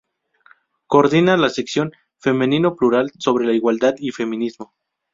Coordina la sección "Femenino Plural" sobre igualdad y feminismo.